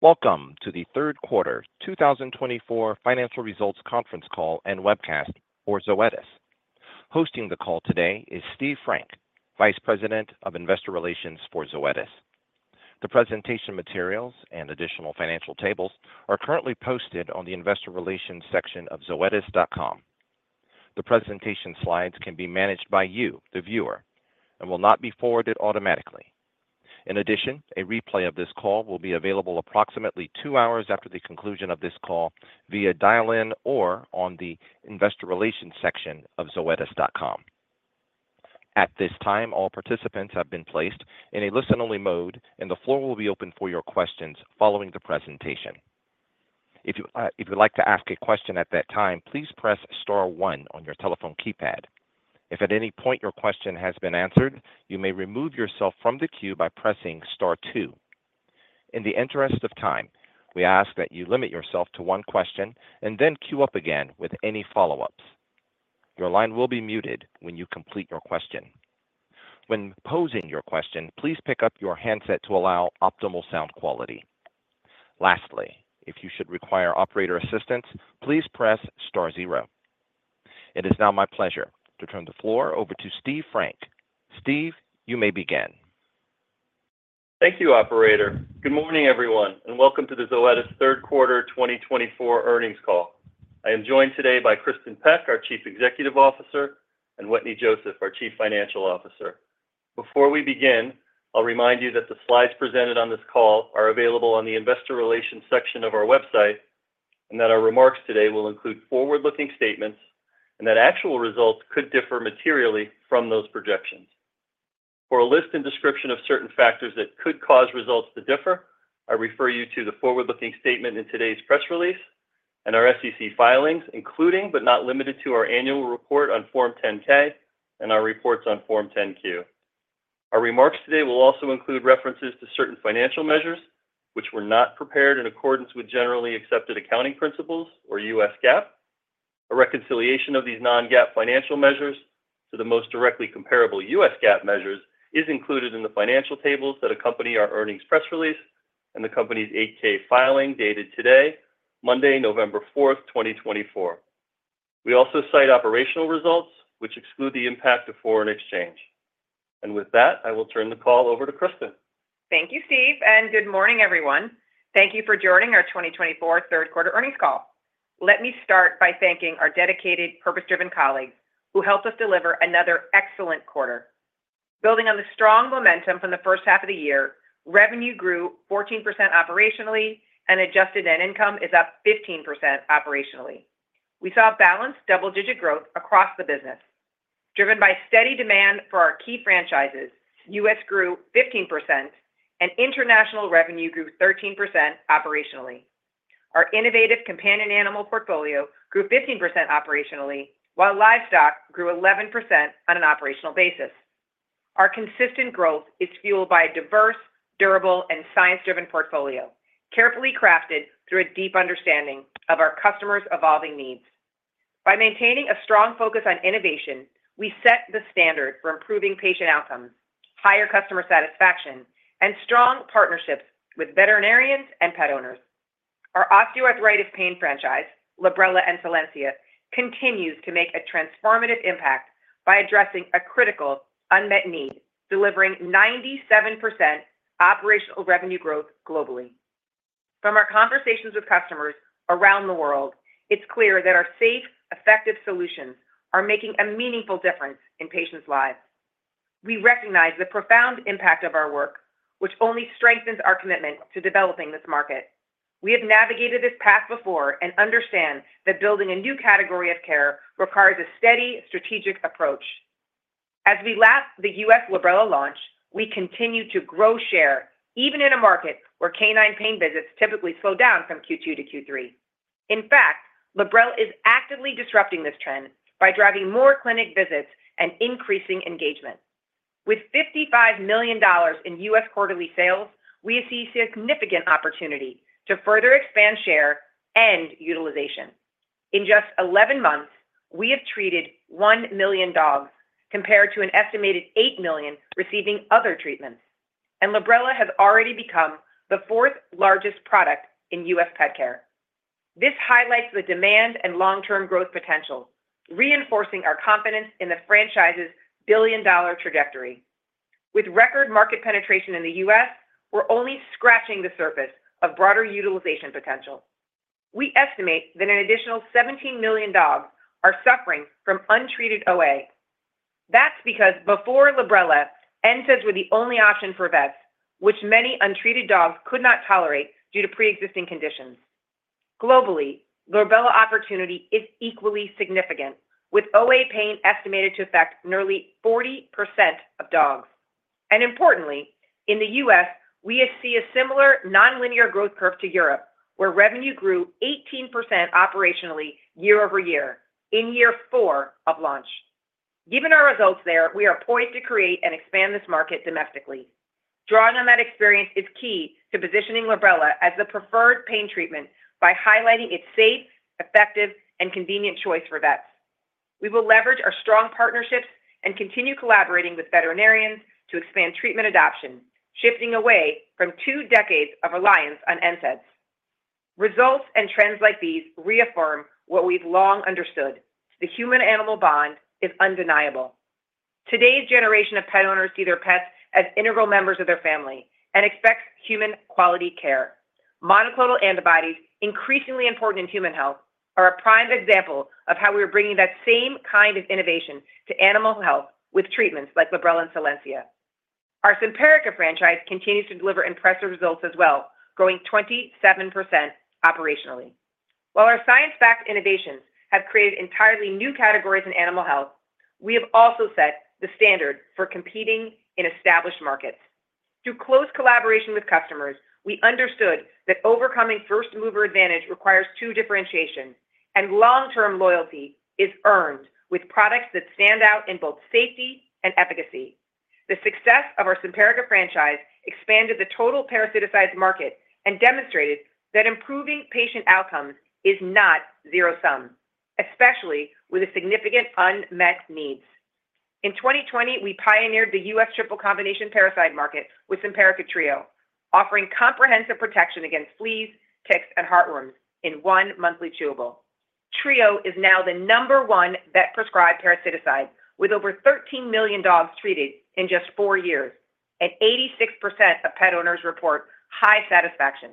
Welcome to the third quarter 2024 financial results conference call and webcast for Zoetis. Hosting the call today is Steve Frank, Vice President of Investor Relations for Zoetis. The presentation materials and additional financial tables are currently posted on the Investor Relations section of zoetis.com. The presentation slides can be managed by you, the viewer, and will not be forwarded automatically. In addition, a replay of this call will be available approximately two hours after the conclusion of this call via dial-in or on the Investor Relations section of zoetis.com. At this time, all participants have been placed in a listen-only mode, and the floor will be open for your questions following the presentation. If you'd like to ask a question at that time, please press Star 1 on your telephone keypad. If at any point your question has been answered, you may remove yourself from the queue by pressing Star 2. In the interest of time, we ask that you limit yourself to one question and then queue up again with any follow-ups. Your line will be muted when you complete your question. When posing your question, please pick up your handset to allow optimal sound quality. Lastly, if you should require operator assistance, please press Star 0. It is now my pleasure to turn the floor over to Steve Frank. Steve, you may begin. Thank you, Operator. Good morning, everyone, and welcome to the Zoetis third quarter 2024 earnings call. I am joined today by Kristin Peck, our Chief Executive Officer, and Wetteny Joseph, our Chief Financial Officer. Before we begin, I'll remind you that the slides presented on this call are available on the Investor Relations section of our website and that our remarks today will include forward-looking statements and that actual results could differ materially from those projections. For a list and description of certain factors that could cause results to differ, I refer you to the forward-looking statement in today's press release and our SEC filings, including but not limited to our annual report on Form 10-K and our reports on Form 10-Q. Our remarks today will also include references to certain financial measures which were not prepared in accordance with generally accepted accounting principles, or U.S. GAAP. A reconciliation of these non-GAAP financial measures to the most directly comparable U.S. GAAP measures is included in the financial tables that accompany our earnings press release and the company's 8-K filing dated today, Monday, November 4, 2024. We also cite operational results which exclude the impact of foreign exchange. And with that, I will turn the call over to Kristin. Thank you, Steve, and good morning, everyone. Thank you for joining our 2024 third quarter earnings call. Let me start by thanking our dedicated, purpose-driven colleagues who helped us deliver another excellent quarter. Building on the strong momentum from the first half of the year, revenue grew 14% operationally, and adjusted net income is up 15% operationally. We saw balanced double-digit growth across the business. Driven by steady demand for our key franchises, U.S. grew 15%, and international revenue grew 13% operationally. Our innovative companion animal portfolio grew 15% operationally, while livestock grew 11% on an operational basis. Our consistent growth is fueled by a diverse, durable, and science-driven portfolio carefully crafted through a deep understanding of our customers' evolving needs. By maintaining a strong focus on innovation, we set the standard for improving patient outcomes, higher customer satisfaction, and strong partnerships with veterinarians and pet owners. Our osteoarthritis pain franchise, Librela and Solensia, continues to make a transformative impact by addressing a critical unmet need, delivering 97% operational revenue growth globally. From our conversations with customers around the world, it's clear that our safe, effective solutions are making a meaningful difference in patients' lives. We recognize the profound impact of our work, which only strengthens our commitment to developing this market. We have navigated this path before and understand that building a new category of care requires a steady, strategic approach. As we lap the U.S. Librela launch, we continue to grow share, even in a market where canine pain visits typically slow down from Q2 to Q3. In fact, Librela is actively disrupting this trend by driving more clinic visits and increasing engagement. With $55 million in U.S. quarterly sales, we see significant opportunity to further expand share and utilization. In just 11 months, we have treated 1 million dogs, compared to an estimated 8 million receiving other treatments, and Librela has already become the fourth largest product in U.S. pet care. This highlights the demand and long-term growth potential, reinforcing our confidence in the franchise's billion-dollar trajectory. With record market penetration in the U.S., we're only scratching the surface of broader utilization potential. We estimate that an additional 17 million dogs are suffering from untreated OA. That's because before Librela, NSAIDs was the only option for vets, which many untreated dogs could not tolerate due to pre-existing conditions. Globally, Librela opportunity is equally significant, with OA pain estimated to affect nearly 40% of dogs. Importantly, in the U.S., we see a similar non-linear growth curve to Europe, where revenue grew 18% operationally year over year in year four of launch. Given our results there, we are poised to create and expand this market domestically. Drawing on that experience is key to positioning Librela as the preferred pain treatment by highlighting its safe, effective, and convenient choice for vets. We will leverage our strong partnerships and continue collaborating with veterinarians to expand treatment adoption, shifting away from two decades of reliance on NSAIDs. Results and trends like these reaffirm what we've long understood: the human-animal bond is undeniable. Today's generation of pet owners see their pets as integral members of their family and expect human-quality care. Monoclonal antibodies, increasingly important in human health, are a prime example of how we are bringing that same kind of innovation to animal health with treatments like Librela and Solensia. Our Simparica franchise continues to deliver impressive results as well, growing 27% operationally. While our science-backed innovations have created entirely new categories in animal health, we have also set the standard for competing in established markets. Through close collaboration with customers, we understood that overcoming first-mover advantage requires true differentiation, and long-term loyalty is earned with products that stand out in both safety and efficacy. The success of our Simparica franchise expanded the total parasiticides market and demonstrated that improving patient outcomes is not zero-sum, especially with the significant unmet needs. In 2020, we pioneered the U.S. triple combination parasiticide market with Simparica Trio, offering comprehensive protection against fleas, ticks, and heartworms in one monthly chewable. Trio is now the number one vet-prescribed parasiticide, with over 13 million dogs treated in just four years, and 86% of pet owners report high satisfaction.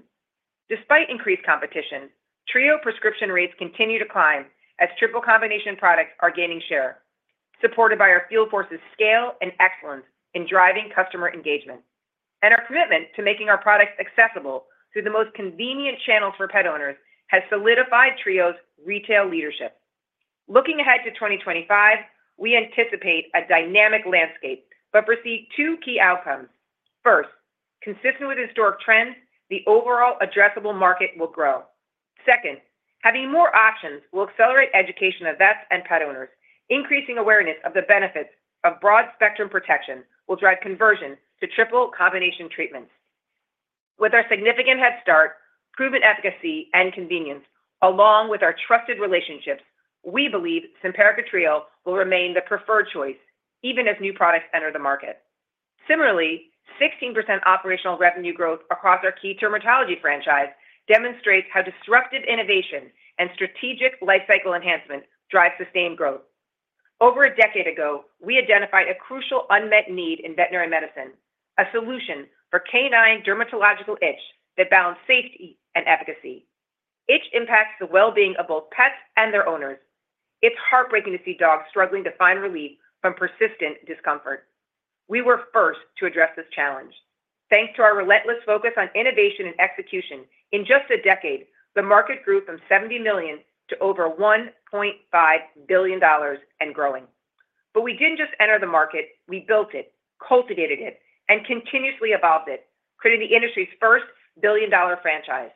Despite increased competition, Trio prescription rates continue to climb as triple combination products are gaining share, supported by our field force's scale and excellence in driving customer engagement, and our commitment to making our products accessible through the most convenient channels for pet owners has solidified Trio's retail leadership. Looking ahead to 2025, we anticipate a dynamic landscape but foresee two key outcomes. First, consistent with historic trends, the overall addressable market will grow. Second, having more options will accelerate education of vets and pet owners. Increasing awareness of the benefits of broad-spectrum protection will drive conversion to triple combination treatments. With our significant head start, proven efficacy, and convenience, along with our trusted relationships, we believe Simparica Trio will remain the preferred choice, even as new products enter the market. Similarly, 16% operational revenue growth across our key dermatology franchise demonstrates how disruptive innovation and strategic lifecycle enhancement drive sustained growth. Over a decade ago, we identified a crucial unmet need in veterinary medicine: a solution for canine dermatological itch that balanced safety and efficacy. Itch impacts the well-being of both pets and their owners. It's heartbreaking to see dogs struggling to find relief from persistent discomfort. We were first to address this challenge. Thanks to our relentless focus on innovation and execution, in just a decade, the market grew from $70 million to over $1.5 billion and growing. But we didn't just enter the market. We built it, cultivated it, and continuously evolved it, creating the industry's first billion-dollar franchise.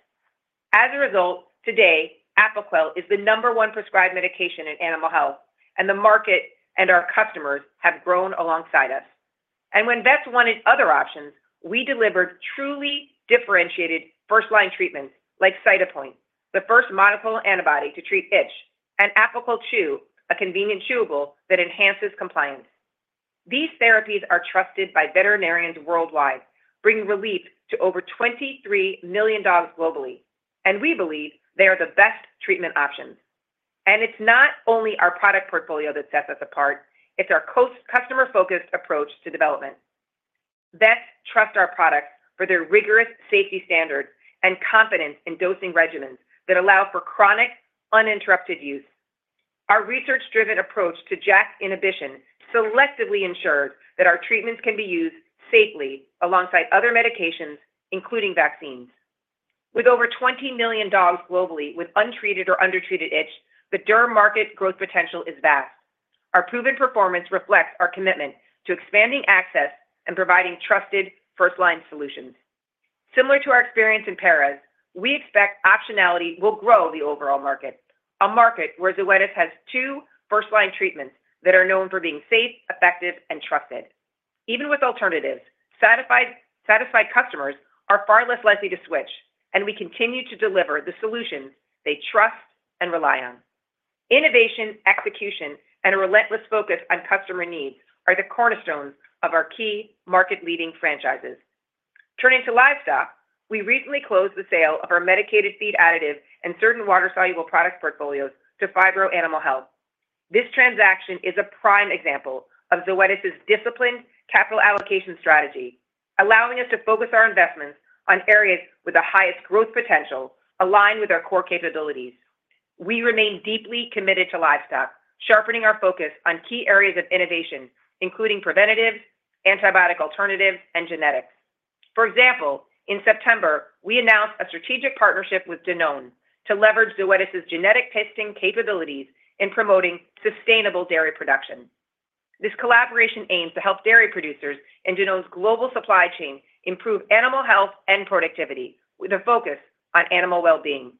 As a result, today, Apoquel is the number one prescribed medication in animal health, and the market and our customers have grown alongside us. When vets wanted other options, we delivered truly differentiated first-line treatments like Cytopoint, the first monoclonal antibody to treat itch, and Apoquel Chewable, a convenient chewable that enhances compliance. These therapies are trusted by veterinarians worldwide, bringing relief to over 23 million dogs globally, and we believe they are the best treatment options. It's not only our product portfolio that sets us apart. It's our customer-focused approach to development. Vets trust our products for their rigorous safety standards and confidence in dosing regimens that allow for chronic, uninterrupted use. Our research-driven approach to JAK inhibition selectively ensures that our treatments can be used safely alongside other medications, including vaccines. With over 20 million dogs globally with untreated or undertreated itch, the derm market growth potential is vast. Our proven performance reflects our commitment to expanding access and providing trusted first-line solutions. Similar to our experience in Paras, we expect optionality will grow the overall market, a market where Zoetis has two first-line treatments that are known for being safe, effective, and trusted. Even with alternatives, satisfied customers are far less likely to switch, and we continue to deliver the solutions they trust and rely on. Innovation, execution, and a relentless focus on customer needs are the cornerstones of our key market-leading franchises. Turning to livestock, we recently closed the sale of our medicated feed additive and certain water-soluble products portfolios to Phibro Animal Health. This transaction is a prime example of Zoetis's disciplined capital allocation strategy, allowing us to focus our investments on areas with the highest growth potential aligned with our core capabilities. We remain deeply committed to livestock, sharpening our focus on key areas of innovation, including preventatives, antibiotic alternatives, and genetics. For example, in September, we announced a strategic partnership with Danone to leverage Zoetis's genetic testing capabilities in promoting sustainable dairy production. This collaboration aims to help dairy producers and Danone's global supply chain improve animal health and productivity with a focus on animal well-being.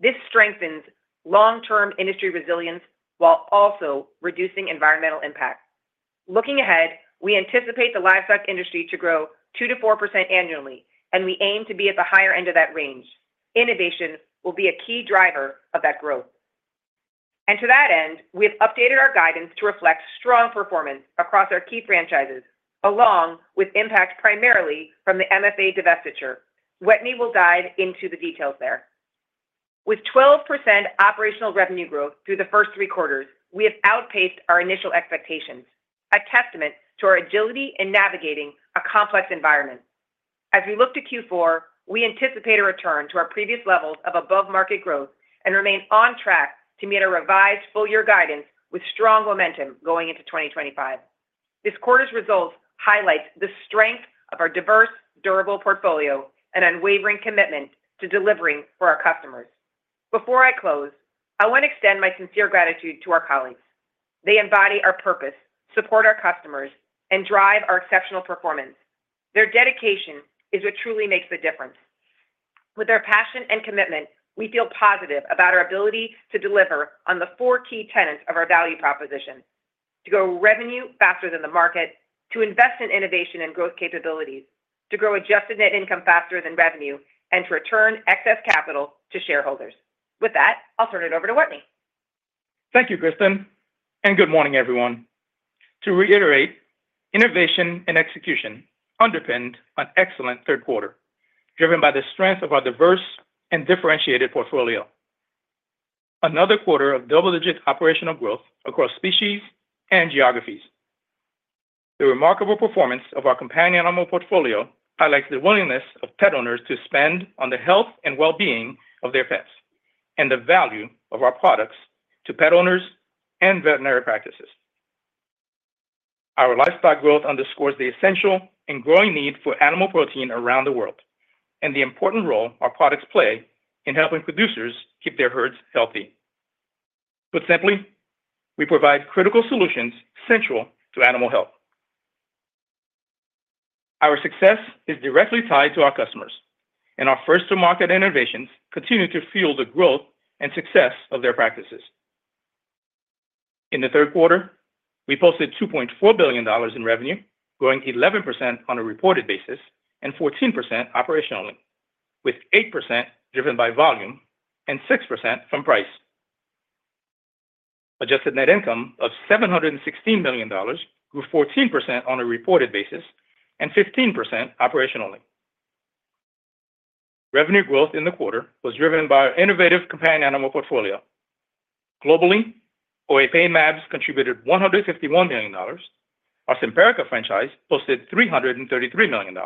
This strengthens long-term industry resilience while also reducing environmental impact. Looking ahead, we anticipate the livestock industry to grow 2%-4% annually, and we aim to be at the higher end of that range. Innovation will be a key driver of that growth. And to that end, we have updated our guidance to reflect strong performance across our key franchises, along with impact primarily from the MFA divestiture. Wetteny will dive into the details there. With 12% operational revenue growth through the first three quarters, we have outpaced our initial expectations, a testament to our agility in navigating a complex environment. As we look to Q4, we anticipate a return to our previous levels of above-market growth and remain on track to meet our revised full-year guidance with strong momentum going into 2025. This quarter's results highlight the strength of our diverse, durable portfolio and unwavering commitment to delivering for our customers. Before I close, I want to extend my sincere gratitude to our colleagues. They embody our purpose, support our customers, and drive our exceptional performance. Their dedication is what truly makes the difference. With their passion and commitment, we feel positive about our ability to deliver on the four key tenets of our value proposition: to grow revenue faster than the market, to invest in innovation and growth capabilities, to grow adjusted net income faster than revenue, and to return excess capital to shareholders. With that, I'll turn it over to Wetteny. Thank you, Kristin. And good morning, everyone. To reiterate, innovation and execution underpinned an excellent third quarter, driven by the strength of our diverse and differentiated portfolio. Another quarter of double-digit operational growth across species and geographies. The remarkable performance of our companion animal portfolio highlights the willingness of pet owners to spend on the health and well-being of their pets and the value of our products to pet owners and veterinary practices. Our livestock growth underscores the essential and growing need for animal protein around the world and the important role our products play in helping producers keep their herds healthy. Put simply, we provide critical solutions central to animal health. Our success is directly tied to our customers, and our first-to-market innovations continue to fuel the growth and success of their practices. In the third quarter, we posted $2.4 billion in revenue, growing 11% on a reported basis and 14% operationally, with 8% driven by volume and 6% from price. Adjusted net income of $716 million grew 14% on a reported basis and 15% operationally. Revenue growth in the quarter was driven by our innovative companion animal portfolio. Globally, OA mAbs contributed $151 million, our Simparica franchise posted $333 million,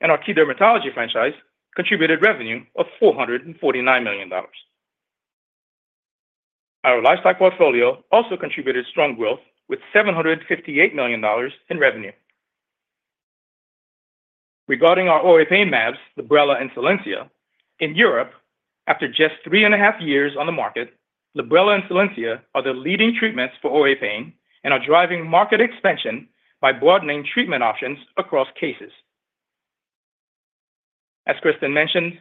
and our key dermatology franchise contributed revenue of $449 million. Our livestock portfolio also contributed strong growth with $758 million in revenue. Regarding our OA mAbs, Librela, and Solensia, in Europe, after just three and a half years on the market, Librela and Solensia are the leading treatments for OA pain and are driving market expansion by broadening treatment options across cases. As Kristin mentioned,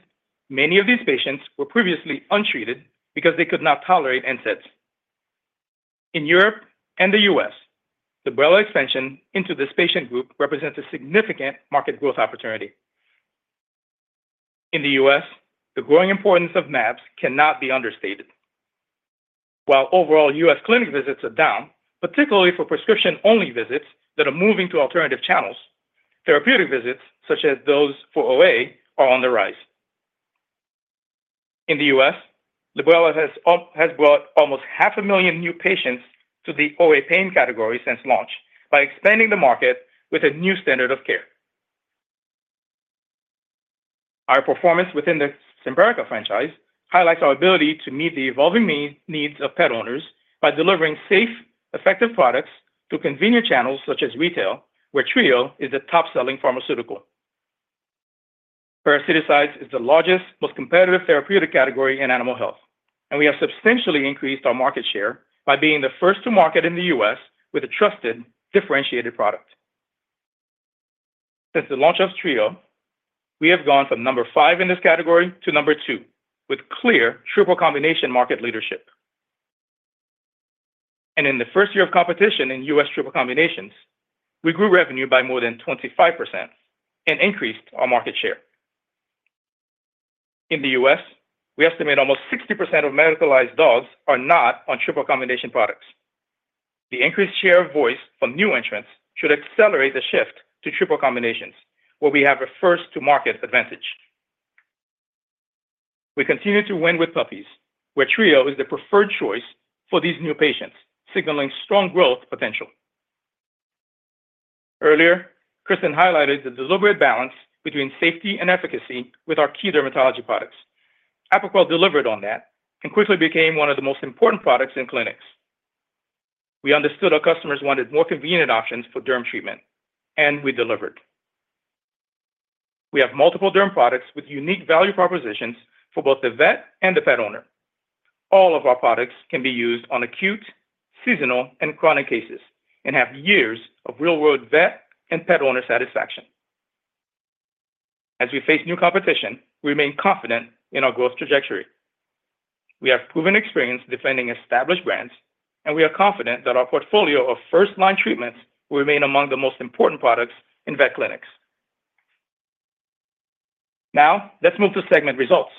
many of these patients were previously untreated because they could not tolerate NSAIDs. In Europe and the US, Librela expansion into this patient group represents a significant market growth opportunity. In the US, the growing importance of mAbs cannot be understated. While overall US clinic visits are down, particularly for prescription-only visits that are moving to alternative channels, therapeutic visits, such as those for OA, are on the rise. In the US, Librela has brought almost 500,000 new patients to the OA pain category since launch by expanding the market with a new standard of care. Our performance within the Simparica franchise highlights our ability to meet the evolving needs of pet owners by delivering safe, effective products through convenient channels such as retail, where Trio is the top-selling pharmaceutical. Parasiticides is the largest, most competitive therapeutic category in animal health, and we have substantially increased our market share by being the first-to-market in the US with a trusted, differentiated product. Since the launch of Trio, we have gone from number five in this category to number two with clear triple combination market leadership, and in the first year of competition in U.S. triple combinations, we grew revenue by more than 25% and increased our market share. In the U.S., we estimate almost 60% of medicated dogs are not on triple combination products. The increased share of voice from new entrants should accelerate the shift to triple combinations, where we have a first-to-market advantage. We continue to win with puppies, where Trio is the preferred choice for these new patients, signaling strong growth potential. Earlier, Kristin highlighted the deliberate balance between safety and efficacy with our key dermatology products. Apoquel delivered on that and quickly became one of the most important products in clinics. We understood our customers wanted more convenient options for derm treatment, and we delivered. We have multiple derm products with unique value propositions for both the vet and the pet owner. All of our products can be used on acute, seasonal, and chronic cases and have years of real-world vet and pet owner satisfaction. As we face new competition, we remain confident in our growth trajectory. We have proven experience defending established brands, and we are confident that our portfolio of first-line treatments will remain among the most important products in vet clinics. Now, let's move to segment results.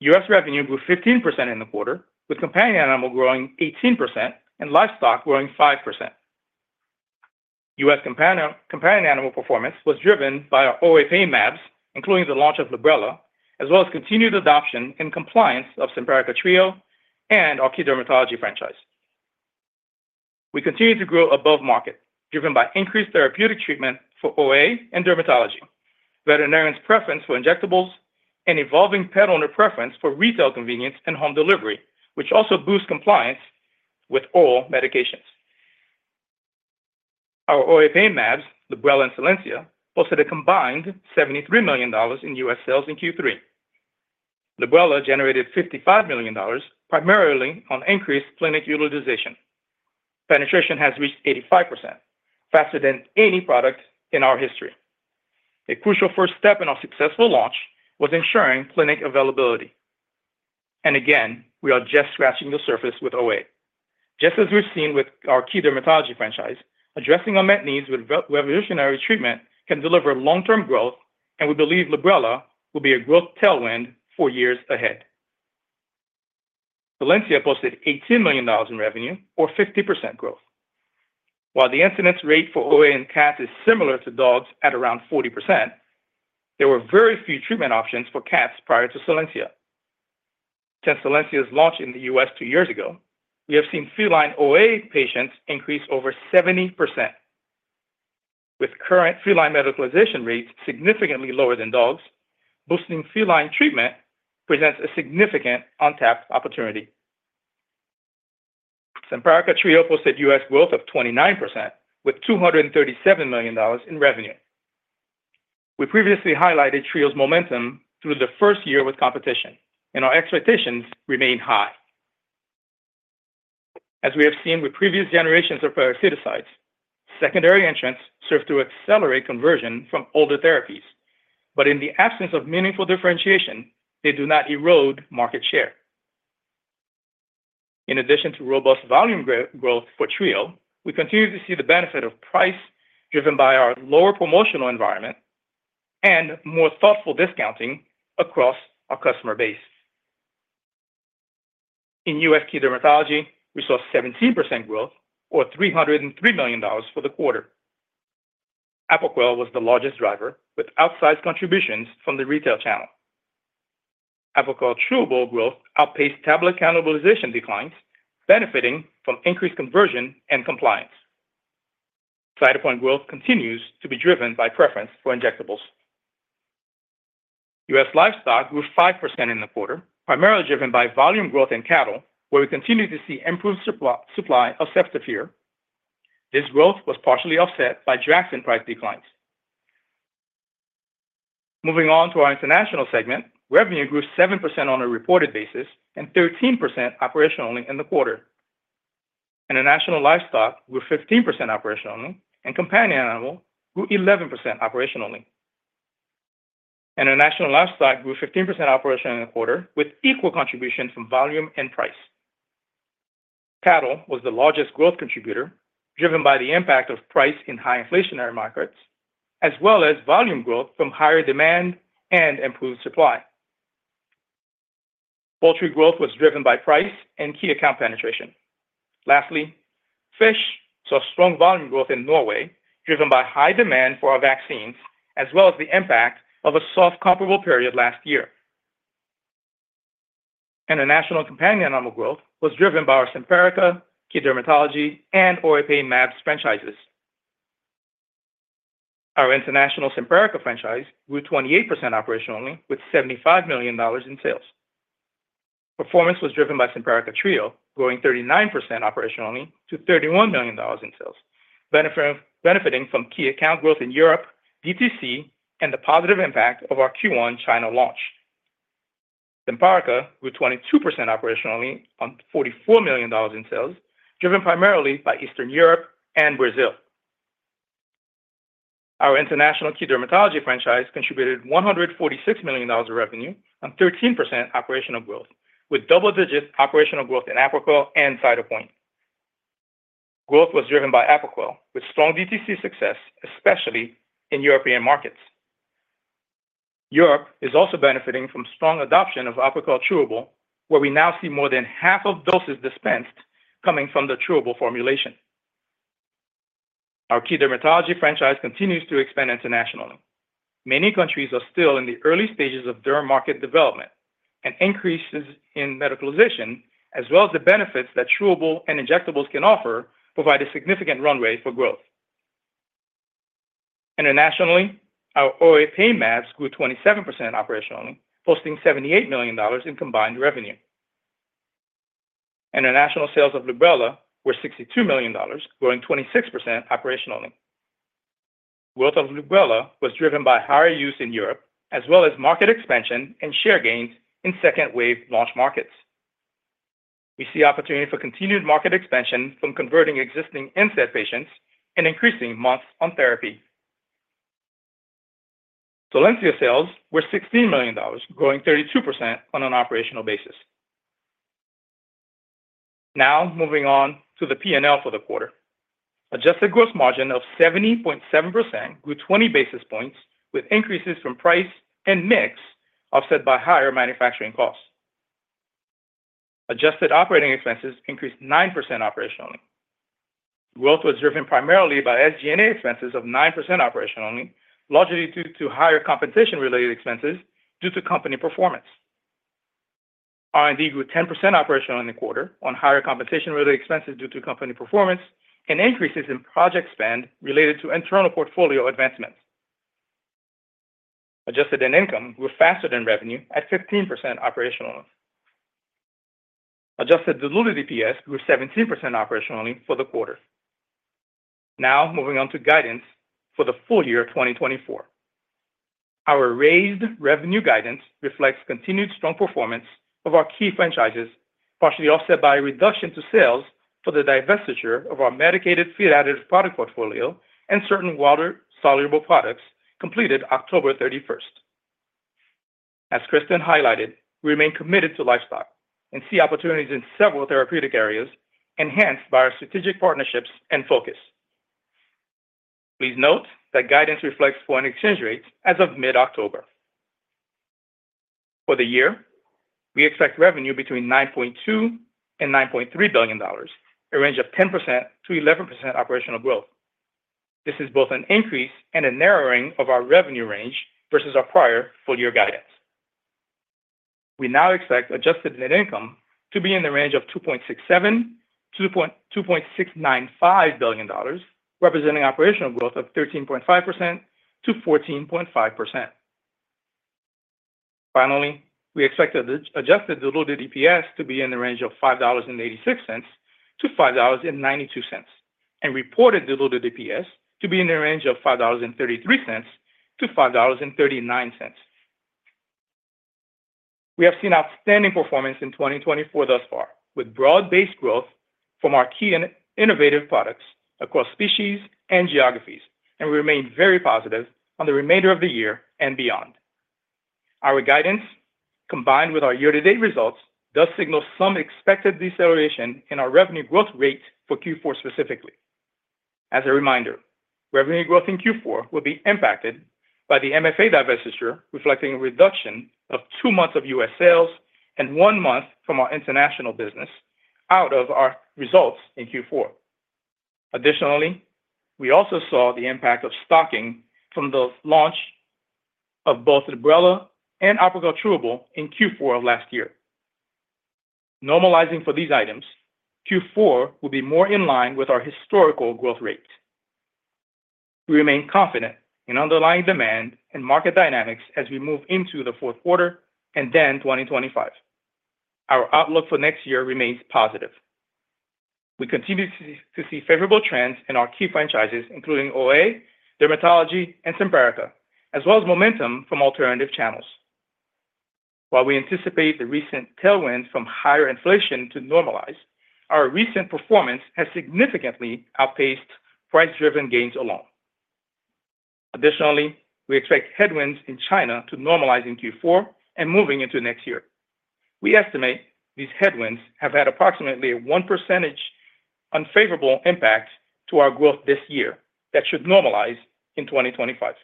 U.S. revenue grew 15% in the quarter, with companion animal growing 18% and livestock growing 5%. U.S. companion animal performance was driven by our OA mAbs, including the launch of Librela, as well as continued adoption and compliance of Simparica Trio and our key dermatology franchise. We continue to grow above market, driven by increased therapeutic treatment for OA and dermatology, veterinarians' preference for injectables, and evolving pet owner preference for retail convenience and home delivery, which also boosts compliance with all medications. Our OA mAbs, Librela and Solensia, posted a combined $73 million in US sales in Q3. Librela generated $55 million, primarily on increased clinic utilization. Penetration has reached 85%, faster than any product in our history. A crucial first step in our successful launch was ensuring clinic availability. Again, we are just scratching the surface with OA. Just as we've seen with our key dermatology franchise, addressing unmet needs with revolutionary treatment can deliver long-term growth, and we believe Librela will be a growth tailwind four years ahead. Solensia posted $18 million in revenue, or 50% growth. While the incidence rate for OA in cats is similar to dogs at around 40%, there were very few treatment options for cats prior to Solensia. Since Solensia's launch in the US two years ago, we have seen feline OA patients increase over 70%. With current feline medicalization rates significantly lower than dogs, boosting feline treatment presents a significant untapped opportunity. Simparica Trio posted US growth of 29%, with $237 million in revenue. We previously highlighted Trio's momentum through the first year with competition, and our expectations remain high. As we have seen with previous generations of parasiticides, secondary entrants serve to accelerate conversion from older therapies, but in the absence of meaningful differentiation, they do not erode market share. In addition to robust volume growth for Trio, we continue to see the benefit of price driven by our lower promotional environment and more thoughtful discounting across our customer base. In U.S. key dermatology, we saw 17% growth, or $303 million for the quarter. Apoquel was the largest driver, with outsized contributions from the retail channel. Apoquel's chewable growth outpaced tablet cannibalization declines, benefiting from increased conversion and compliance. Cytopoint growth continues to be driven by preference for injectables. U.S. livestock grew 5% in the quarter, primarily driven by volume growth in cattle, where we continue to see improved supply of ceftiofur. This growth was partially offset by ex-China price declines. Moving on to our international segment, revenue grew 7% on a reported basis and 13% operationally in the quarter. International livestock grew 15% operationally, and companion animal grew 11% operationally. International livestock grew 15% operationally in the quarter, with equal contribution from volume and price. Cattle was the largest growth contributor, driven by the impact of price in high inflationary markets, as well as volume growth from higher demand and improved supply. Poultry growth was driven by price and key account penetration. Lastly, fish saw strong volume growth in Norway, driven by high demand for our vaccines, as well as the impact of a soft comparable period last year. International companion animal growth was driven by our Simparica key dermatology and OA mAbs franchises. Our international Simparica franchise grew 28% operationally, with $75 million in sales. Performance was driven by Simparica Trio growing 39% operationally to $31 million in sales, benefiting from key account growth in Europe, DTC, and the positive impact of our Q1 China launch. Simparica grew 22% operationally on $44 million in sales, driven primarily by Eastern Europe and Brazil. Our international key dermatology franchise contributed $146 million in revenue and 13% operational growth, with double-digit operational growth in Apoquel and Cytopoint. Growth was driven by Apoquel, with strong DTC success, especially in European markets. Europe is also benefiting from strong adoption of Apoquel Chewable, where we now see more than half of doses dispensed coming from the chewable formulation. Our key dermatology franchise continues to expand internationally. Many countries are still in the early stages of derm market development, and increases in medicalization, as well as the benefits that chewable and injectables can offer, provide a significant runway for growth. Internationally, our OA mAbs grew 27% operationally, posting $78 million in combined revenue. International sales of Librela were $62 million, growing 26% operationally. Growth of Librela was driven by higher use in Europe, as well as market expansion and share gains in second-wave launch markets. We see opportunity for continued market expansion from converting existing NSAID patients and increasing months on therapy. Solensia sales were $16 million, growing 32% on an operational basis. Now, moving on to the P&L for the quarter. Adjusted gross margin of 70.7% grew 20 basis points, with increases from price and mix, offset by higher manufacturing costs. Adjusted operating expenses increased 9% operationally. Growth was driven primarily by SG&A expenses of 9% operationally, largely due to higher compensation-related expenses due to company performance. R&D grew 10% operationally in the quarter on higher compensation-related expenses due to company performance and increases in project spend related to internal portfolio advancements. Adjusted net income grew faster than revenue at 15% operationally. Adjusted diluted EPS grew 17% operationally for the quarter. Now, moving on to guidance for the full year 2024. Our raised revenue guidance reflects continued strong performance of our key franchises, partially offset by a reduction to sales for the divestiture of our medicated feed additive product portfolio and certain water-soluble products completed October 31st. As Kristin highlighted, we remain committed to livestock and see opportunities in several therapeutic areas, enhanced by our strategic partnerships and focus. Please note that guidance reflects FX rates as of mid-October. For the year, we expect revenue between $9.2 and $9.3 billion, a range of 10%-11% operational growth. This is both an increase and a narrowing of our revenue range versus our prior full-year guidance. We now expect adjusted net income to be in the range of $2.67-$2.695 billion, representing operational growth of 13.5%-14.5%. Finally, we expect adjusted diluted EPS to be in the range of $5.86 to $5.92, and reported diluted EPS to be in the range of $5.33 to $5.39. We have seen outstanding performance in 2024 thus far, with broad-based growth from our key and innovative products across species and geographies, and we remain very positive on the remainder of the year and beyond. Our guidance, combined with our year-to-date results, does signal some expected deceleration in our revenue growth rate for Q4 specifically. As a reminder, revenue growth in Q4 will be impacted by the MFA divestiture, reflecting a reduction of two months of U.S. sales and one month from our international business out of our results in Q4. Additionally, we also saw the impact of stocking from the launch of both Librela and Apoquel Chewable in Q4 of last year. Normalizing for these items, Q4 will be more in line with our historical growth rate. We remain confident in underlying demand and market dynamics as we move into the fourth quarter and then 2025. Our outlook for next year remains positive. We continue to see favorable trends in our key franchises, including OA, dermatology, and Simparica, as well as momentum from alternative channels. While we anticipate the recent tailwinds from higher inflation to normalize, our recent performance has significantly outpaced price-driven gains alone. Additionally, we expect headwinds in China to normalize in Q4 and moving into next year. We estimate these headwinds have had approximately a 1% unfavorable impact to our growth this year that should normalize in 2025.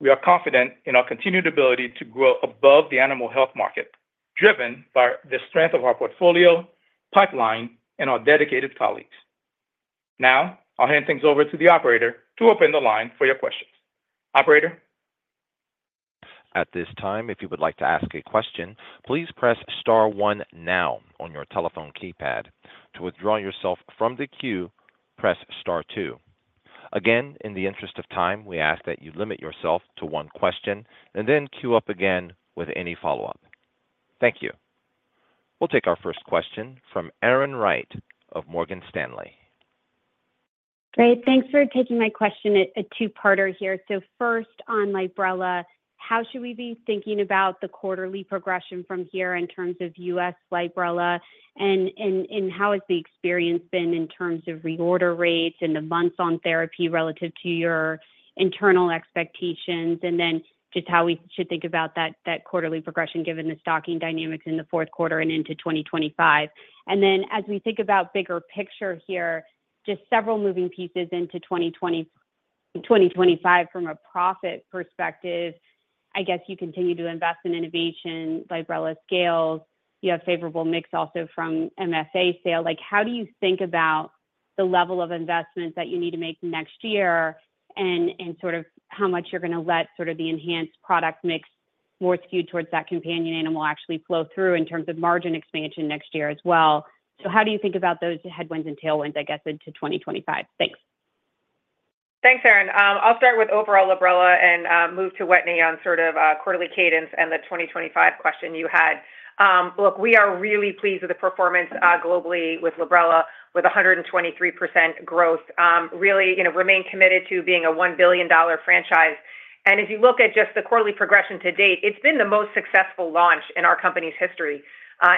We are confident in our continued ability to grow above the animal health market, driven by the strength of our portfolio, pipeline, and our dedicated colleagues. Now, I'll hand things over to the operator to open the line for your questions. Operator. At this time, if you would like to ask a question, please press Star 1 now on your telephone keypad. To withdraw yourself from the queue, press Star 2. Again, in the interest of time, we ask that you limit yourself to one question and then queue up again with any follow-up. Thank you. We'll take our first question from Erin Wright of Morgan Stanley. Great. Thanks for taking my question. A two-parter here. So first, on Librela, how should we be thinking about the quarterly progression from here in terms of U.S. Librela, and how has the experience been in terms of reorder rates and the months on therapy relative to your internal expectations, and then just how we should think about that quarterly progression given the stocking dynamics in the fourth quarter and into 2025? And then, as we think about bigger picture here, just several moving pieces into 2025 from a profit perspective. I guess you continue to invest in innovation, Librela scales, you have favorable mix also from MFA sale. How do you think about the level of investments that you need to make next year and sort of how much you're going to let sort of the enhanced product mix more skewed towards that companion animal actually flow through in terms of margin expansion next year as well? So how do you think about those headwinds and tailwinds, I guess, into 2025? Thanks. Thanks, Erin. I'll start with overall Librela and move to Wetteny on sort of quarterly cadence and the 2025 question you had. Look, we are really pleased with the performance globally with Librela, with 123% growth. Really remain committed to being a $1 billion franchise. And as you look at just the quarterly progression to date, it's been the most successful launch in our company's history.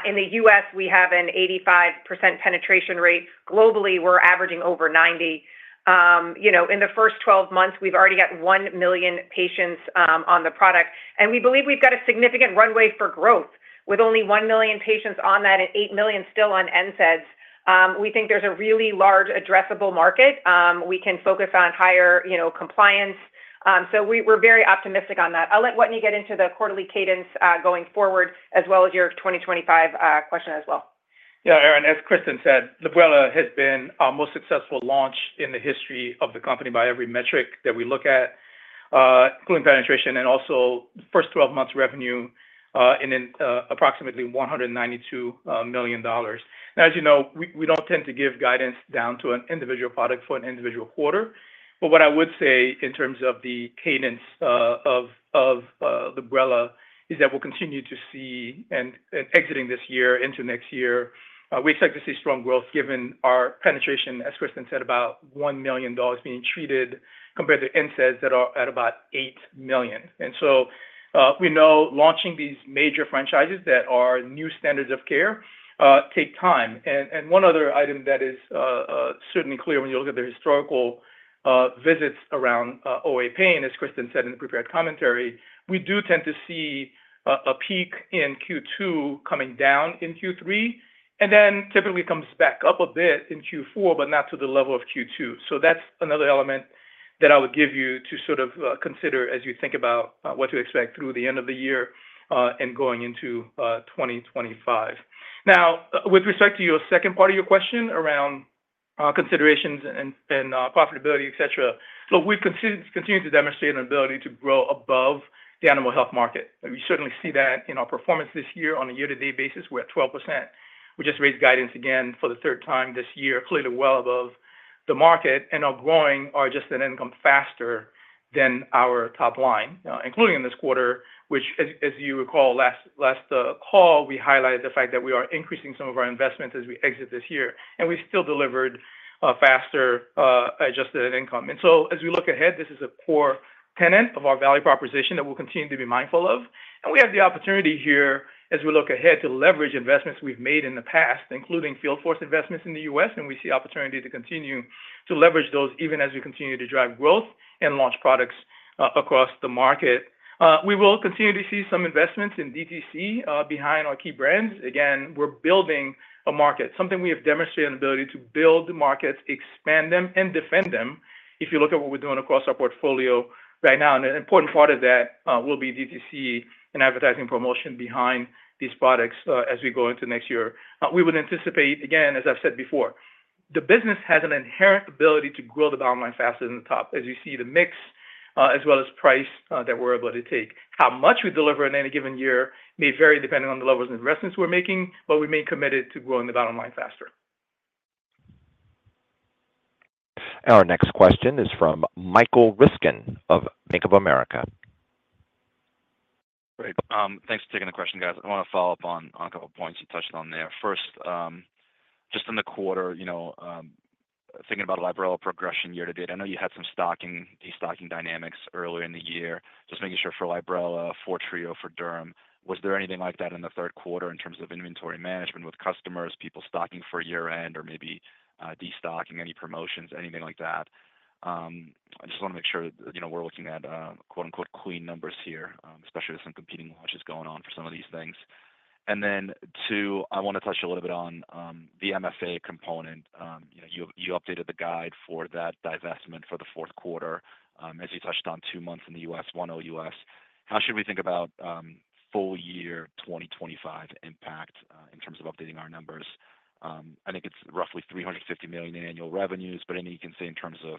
In the U.S., we have an 85% penetration rate. Globally, we're averaging over 90. In the first 12 months, we've already got 1 million patients on the product. And we believe we've got a significant runway for growth with only 1 million patients on that and 8 million still on NSAIDs. We think there's a really large addressable market. We can focus on higher compliance. So we're very optimistic on that. I'll let Wetteny get into the quarterly cadence going forward, as well as your 2025 question as well. Yeah, Erin, as Kristin said, Librela has been our most successful launch in the history of the company by every metric that we look at, including penetration and also the first 12 months revenue in approximately $192 million. Now, as you know, we don't tend to give guidance down to an individual product for an individual quarter. But what I would say in terms of the cadence of Librela is that we'll continue to see and exiting this year into next year, we expect to see strong growth given our penetration, as Kristin said, about 1 million being treated compared to NSAIDs that are at about eight million. And so we know launching these major franchises that are new standards of care takes time. One other item that is certainly clear when you look at the historical visits around OA pain, as Kristin said in the prepared commentary, we do tend to see a peak in Q2 coming down in Q3, and then typically comes back up a bit in Q4, but not to the level of Q2. So that's another element that I would give you to sort of consider as you think about what to expect through the end of the year and going into 2025. Now, with respect to your second part of your question around considerations and profitability, etc., look, we've continued to demonstrate an ability to grow above the animal health market. We certainly see that in our performance this year. On a year-to-date basis, we're at 12%. We just raised guidance again for the third time this year, clearly well above the market, and our gross and adjusted net income [are] faster than our top line, including in this quarter, which, as you recall, last call, we highlighted the fact that we are increasing some of our investments as we exit this year, and we still delivered faster adjusted net income, and so as we look ahead, this is a core tenet of our value proposition that we'll continue to be mindful of, and we have the opportunity here, as we look ahead, to leverage investments we've made in the past, including field force investments in the U.S., and we see opportunity to continue to leverage those even as we continue to drive growth and launch products across the market. We will continue to see some investments in DTC behind our key brands. Again, we're building a market, something we have demonstrated an ability to build markets, expand them, and defend them. If you look at what we're doing across our portfolio right now, an important part of that will be DTC and advertising promotion behind these products as we go into next year. We would anticipate, again, as I've said before, the business has an inherent ability to grow the bottom line faster than the top, as you see the mix, as well as price that we're able to take. How much we deliver in any given year may vary depending on the levels of investments we're making, but we remain committed to growing the bottom line faster. Our next question is from Michael Ryskin of Bank of America. Great. Thanks for taking the question, guys. I want to follow up on a couple of points you touched on there. First, just in the quarter, thinking about Librela progression year to date, I know you had some stocking, destocking dynamics earlier in the year, just making sure for Librela, for Trio, for derm. Was there anything like that in the third quarter in terms of inventory management with customers, people stocking for year-end or maybe destocking, any promotions, anything like that? I just want to make sure we're looking at "clean numbers" here, especially with some competing launches going on for some of these things. And then two, I want to touch a little bit on the MFA component. You updated the guide for that divestment for the fourth quarter, as you touched on two months in the U.S., one OUS. How should we think about full year 2025 impact in terms of updating our numbers? I think it's roughly $350 million in annual revenues, but anything you can say in terms of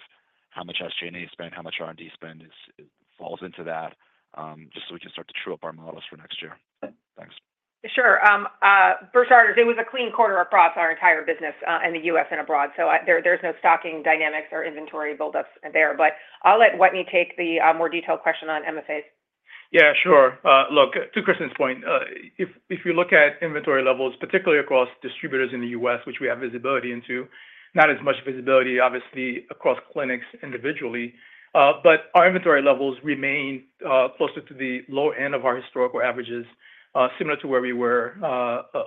how much SG&A spent, how much R&D spent falls into that, just so we can start to true up our models for next year. Thanks. Sure. For starters, it was a clean quarter across our entire business in the U.S. and abroad. So there's no stocking dynamics or inventory build-ups there. But I'll let Wetteny take the more detailed question on MFAs. Yeah, sure. Look, to Kristin's point, if you look at inventory levels, particularly across distributors in the U.S., which we have visibility into, not as much visibility, obviously, across clinics individually, but our inventory levels remain closer to the low end of our historical averages, similar to where we were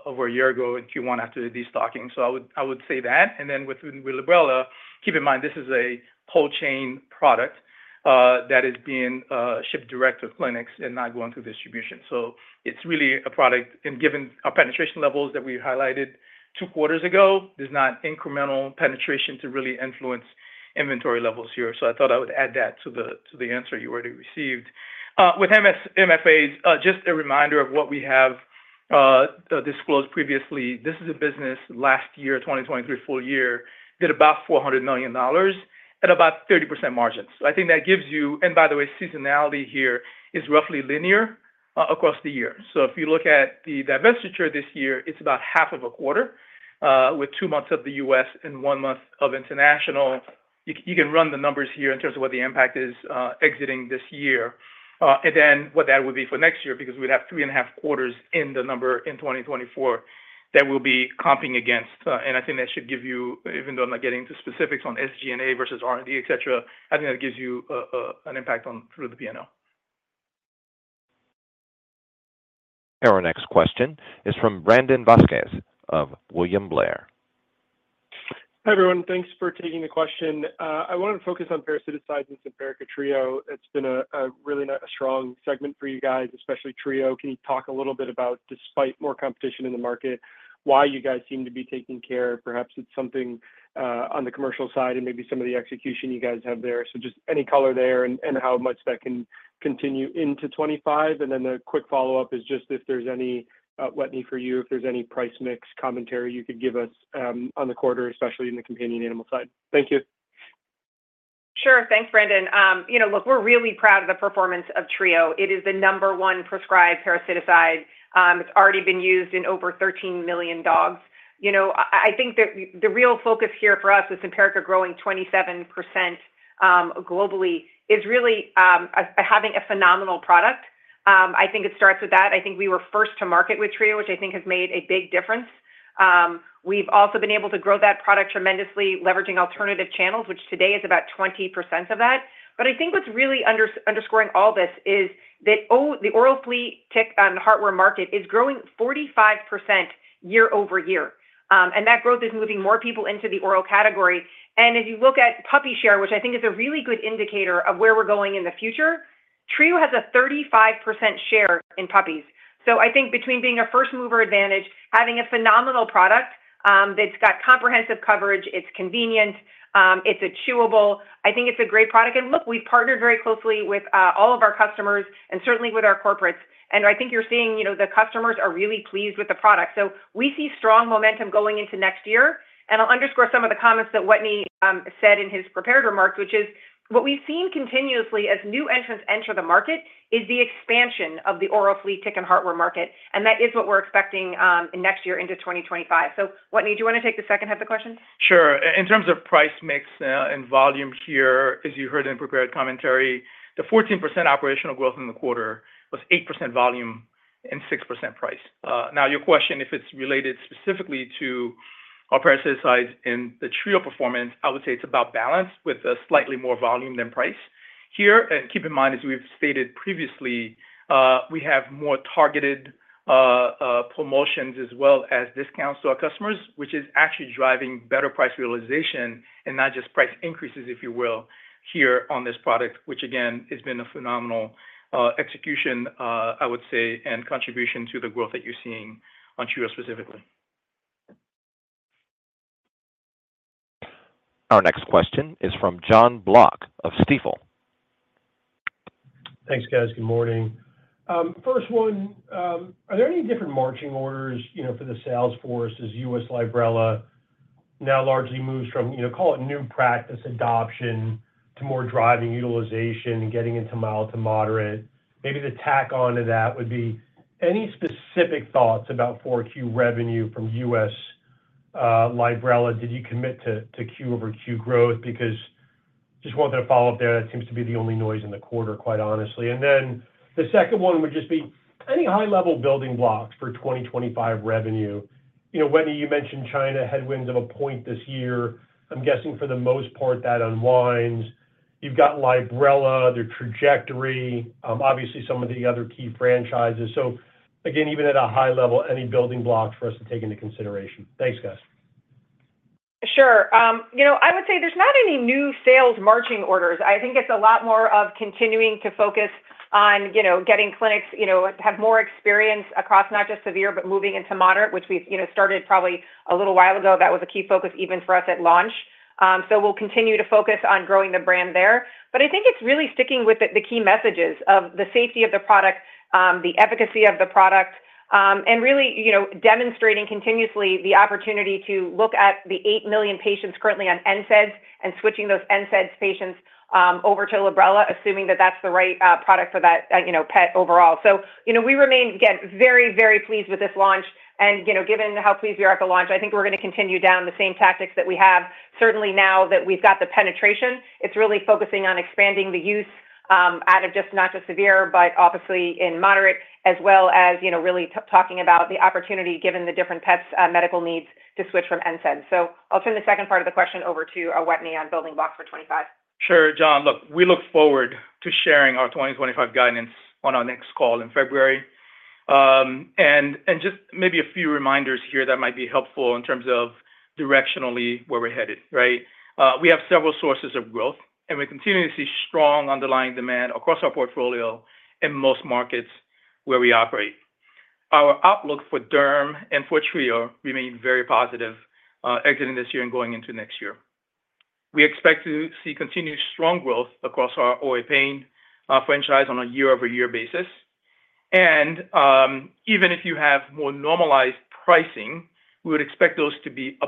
over a year ago in Q1 after the destocking. So I would say that. Then with Librela, keep in mind this is a whole chain product that is being shipped direct to clinics and not going through distribution. So it's really a product, and given our penetration levels that we highlighted two quarters ago, there's not incremental penetration to really influence inventory levels here. So I thought I would add that to the answer you already received. With MFAs, just a reminder of what we have disclosed previously. This is a business last year, 2023 full year, did about $400 million at about 30% margins. So I think that gives you, and by the way, seasonality here is roughly linear across the year. So if you look at the divestiture this year, it's about half of a quarter with two months of the U.S. and one month of international. You can run the numbers here in terms of what the impact is exiting this year. And then what that would be for next year, because we would have three and a half quarters in the number in 2024 that will be comping against. And I think that should give you, even though I'm not getting into specifics on SG&A versus R&D, etc. I think that gives you an impact through the P&L. Our next question is from Brandon Vazquez of William Blair. Hi everyone. Thanks for taking the question. I wanted to focus on parasiticides and Simparica Trio. It's been a really strong segment for you guys, especially Trio. Can you talk a little bit about, despite more competition in the market, why you guys seem to be taking share? Perhaps it's something on the commercial side and maybe some of the execution you guys have there. So just any color there and how much that can continue into 2025. And then the quick follow-up is just if there's any, Wetteny for you, if there's any price mix commentary you could give us on the quarter, especially in the companion animal side. Thank you. Sure. Thanks, Brandon. Look, we're really proud of the performance of Trio. It is the number one prescribed parasiticide. It's already been used in over 13 million dogs. I think that the real focus here for us is in Simparica growing 27% globally is really having a phenomenal product. I think it starts with that. I think we were first to market with Trio, which I think has made a big difference. We've also been able to grow that product tremendously, leveraging alternative channels, which today is about 20% of that. But I think what's really underscoring all this is that the oral flea tick and heartworm market is growing 45% year over year. And that growth is moving more people into the oral category. And as you look at puppy share, which I think is a really good indicator of where we're going in the future, Trio has a 35% share in puppies. So I think between being a first mover advantage, having a phenomenal product that's got comprehensive coverage, it's convenient, it's chewable, I think it's a great product. And look, we've partnered very closely with all of our customers and certainly with our corporates. And I think you're seeing the customers are really pleased with the product. So we see strong momentum going into next year. And I'll underscore some of the comments that Wetteny said in his prepared remarks, which is what we've seen continuously as new entrants enter the market is the expansion of the oral flea tick and heartworm market. And that is what we're expecting next year into 2025. So Wetteny, do you want to take the second half of the question? Sure. In terms of price mix and volume here, as you heard in prepared commentary, the 14% operational growth in the quarter was 8% volume and 6% price. Now, your question, if it's related specifically to our parasiticide's and the Trio performance, I would say it's about balance with slightly more volume than price here. And keep in mind, as we've stated previously, we have more targeted promotions as well as discounts to our customers, which is actually driving better price realization and not just price increases, if you will, here on this product, which again, has been a phenomenal execution, I would say, and contribution to the growth that you're seeing on Trio specifically. Our next question is from Jon Block of Stifel. Thanks, guys. Good morning. First one, are there any different marching orders for the sales force as US Librela now largely moves from, call it new practice adoption to more driving utilization and getting into mild to moderate? Maybe the tack on to that would be any specific thoughts about 4Q revenue from US Librela? Did you commit to Q over Q growth? Because just wanted to follow up there. That seems to be the only noise in the quarter, quite honestly, and then the second one would just be any high-level building blocks for 2025 revenue. Wetteny, you mentioned China headwinds of a point this year. I'm guessing for the most part that unwinds. You've got Librela, their trajectory, obviously some of the other key franchises. So again, even at a high level, any building blocks for us to take into consideration. Thanks, guys. Sure. I would say there's not any new sales marching orders. I think it's a lot more of continuing to focus on getting clinics to have more experience across not just severe, but moving into moderate, which we've started probably a little while ago. That was a key focus even for us at launch, so we'll continue to focus on growing the brand there. But I think it's really sticking with the key messages of the safety of the product, the efficacy of the product, and really demonstrating continuously the opportunity to look at the eight million patients currently on NSAIDs and switching those NSAIDs patients over to Librela, assuming that that's the right product for that pet overall. So we remain, again, very, very pleased with this launch. And given how pleased we are at the launch, I think we're going to continue down the same tactics that we have. Certainly now that we've got the penetration, it's really focusing on expanding the use out of just not just severe, but obviously in moderate, as well as really talking about the opportunity given the different pets' medical needs to switch from NSAIDs. So I'll turn the second part of the question over to Wetteny on building blocks for 2025. Sure, John. Look, we look forward to sharing our 2025 guidance on our next call in February. And just maybe a few reminders here that might be helpful in terms of directionally where we're headed, right? We have several sources of growth, and we continue to see strong underlying demand across our portfolio in most markets where we operate. Our outlook for dermatology and for Trio remains very positive exiting this year and going into next year. We expect to see continued strong growth across our OA pain franchise on a year-over-year basis. And even if you have more normalized pricing, we would expect those to be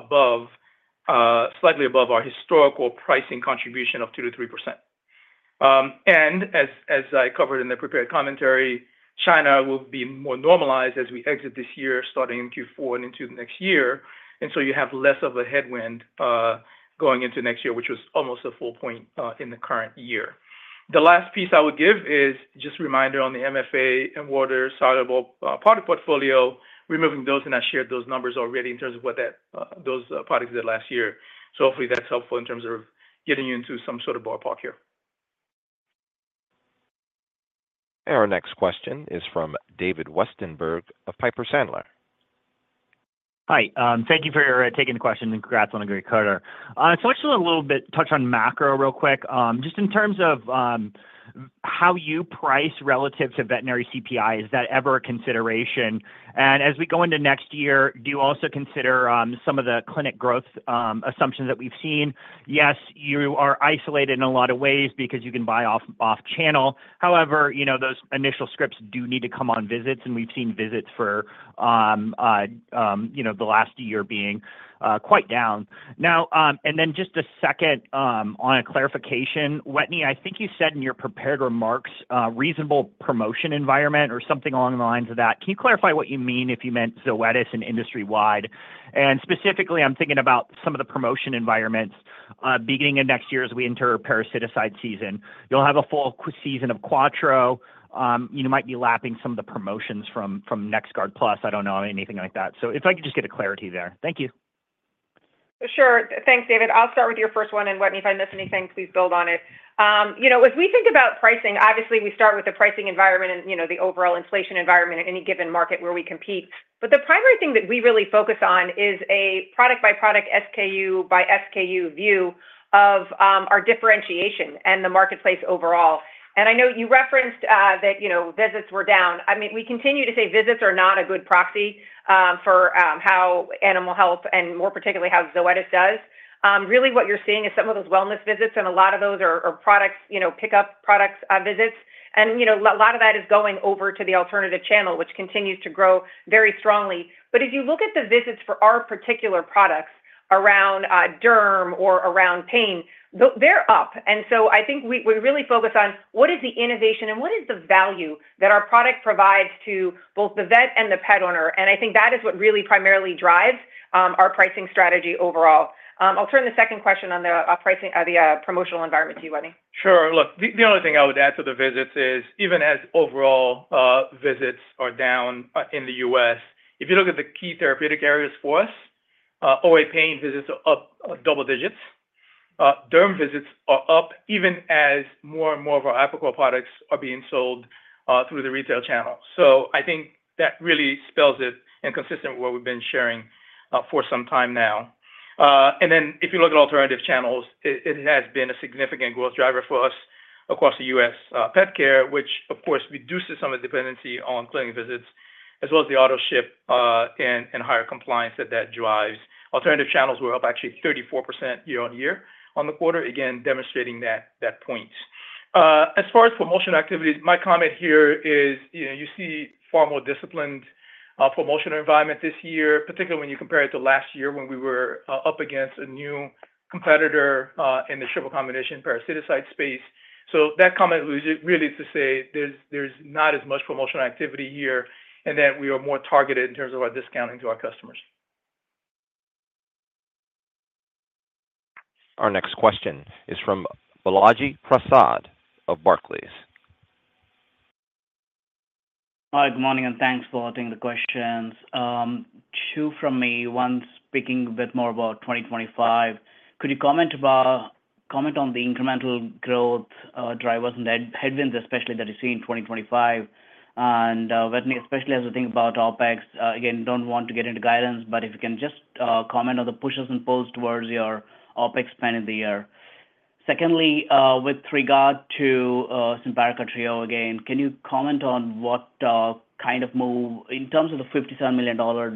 slightly above our historical pricing contribution of 2%-3%. And as I covered in the prepared commentary, China will be more normalized as we exit this year starting in Q4 and into next year. You have less of a headwind going into next year, which was almost a full point in the current year. The last piece I would give is just a reminder on the MFA and water-soluble product portfolio, removing those, and I shared those numbers already in terms of what those products did last year. Hopefully that's helpful in terms of getting you into some sort of ballpark here. Our next question is from David Westenberg of Piper Sandler. Hi. Thank you for taking the question and congrats on a great quarter. I just want to touch on macro real quick. Just in terms of how you price relative to veterinary CPI, is that ever a consideration? And as we go into next year, do you also consider some of the clinic growth assumptions that we've seen? Yes, you are isolated in a lot of ways because you can buy off-channel. However, those initial scripts do need to come on visits, and we've seen visits for the last year being quite down. Now, and then just a second on a clarification. Wetteny, I think you said in your prepared remarks, reasonable promotion environment or something along the lines of that. Can you clarify what you mean if you meant Zoetis and industry-wide? And specifically, I'm thinking about some of the promotion environments beginning in next year as we enter parasiticide season. You'll have a full season of Quattro. You might be lapping some of the promotions from NexGard Plus. I don't know anything like that. So if I could just get a clarity there. Thank you. Sure. Thanks, David. I'll start with your first one. And Wetteny, if I miss anything, please build on it. As we think about pricing, obviously, we start with the pricing environment and the overall inflation environment in any given market where we compete. But the primary thing that we really focus on is a product-by-product, SKU-by-SKU view of our differentiation and the marketplace overall. And I know you referenced that visits were down. I mean, we continue to say visits are not a good proxy for how animal health and more particularly how Zoetis does. Really, what you're seeing is some of those wellness visits, and a lot of those are pickup product visits. And a lot of that is going over to the alternative channel, which continues to grow very strongly. But if you look at the visits for our particular products around derm or around pain, they're up. And so I think we really focus on what is the innovation and what is the value that our product provides to both the vet and the pet owner. And I think that is what really primarily drives our pricing strategy overall. I'll turn the second question on the promotional environment to you, Wetteny. Sure. Look, the only thing I would add to the visits is even as overall visits are down in the U.S., if you look at the key therapeutic areas for us, OA pain visits are up double digits. Derm visits are up even as more and more of our applicable products are being sold through the retail channel. So I think that really spells it and consistent with what we've been sharing for some time now. And then if you look at alternative channels, it has been a significant growth driver for us across the U.S. pet care, which, of course, reduces some of the dependency on clinic visits, as well as the autoship and higher compliance that that drives. Alternative channels were up actually 34% year-on-year on the quarter, again, demonstrating that point. As far as promotion activities, my comment here is you see far more disciplined promotional environment this year, particularly when you compare it to last year when we were up against a new competitor in the triple combination parasiticide space. So that comment was really to say there's not as much promotional activity here and that we are more targeted in terms of our discounting to our customers. Our next question is from Balaji Prasad of Barclays. Hi, good morning and thanks for taking the questions. Two from me. this speaking a bit more about 2025. Could you comment on the incremental growth drivers and headwinds, especially that you see in 2025? And Wetteny, especially as we think about OpEx, again, don't want to get into guidance, but if you can just comment on the pushes and pulls towards your OpEx spend in the year. Secondly, with regard to Simparica Trio, again, can you comment on what kind of move in terms of the 57 million dogs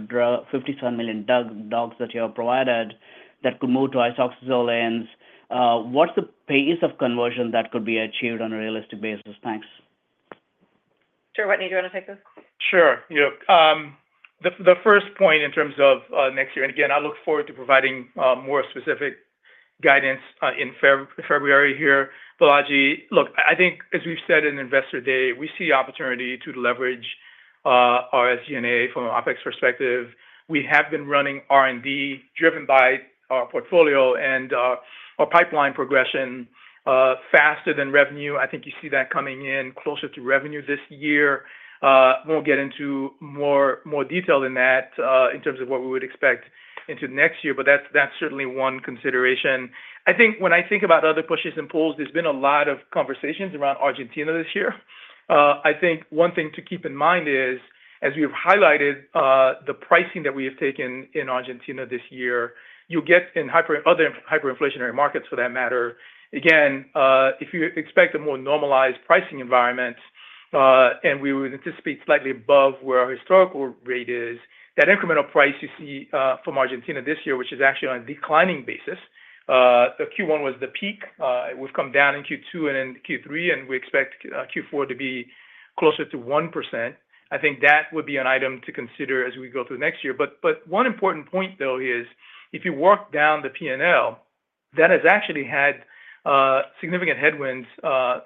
that you have provided that could move to isoxazolines, what's the pace of conversion that could be achieved on a realistic basis? Thanks. Sure. Wetteny, do you want to take this? Sure. Yep. The first point in terms of next year, and again, I look forward to providing more specific guidance in February here. Balaji, look, I think as we've said in Investor Day, we see the opportunity to leverage our SG&A from an OPEX perspective. We have been running R&D driven by our portfolio and our pipeline progression faster than revenue. I think you see that coming in closer to revenue this year. We'll get into more detail in that in terms of what we would expect into next year, but that's certainly one consideration. I think when I think about other pushes and pulls, there's been a lot of conversations around Argentina this year. I think one thing to keep in mind is, as we've highlighted, the pricing that we have taken in Argentina this year, you'll get in other hyperinflationary markets for that matter. Again, if you expect a more normalized pricing environment, and we would anticipate slightly above where our historical rate is, that incremental price you see from Argentina this year, which is actually on a declining basis. Q1 was the peak. We've come down in Q2 and in Q3, and we expect Q4 to be closer to 1%. I think that would be an item to consider as we go through next year. But one important point, though, is if you work down the P&L, that has actually had significant headwinds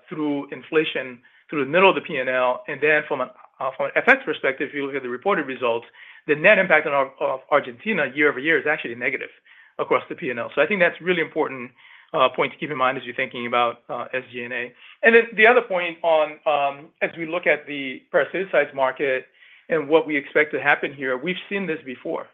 through inflation through the middle of the P&L. And then from an effects perspective, if you look at the reported results, the net impact on Argentina year over year is actually negative across the P&L. So I think that's a really important point to keep in mind as you're thinking about SG&A. Then the other point on, as we look at the parasiticide market and what we expect to happen here, we've seen this before.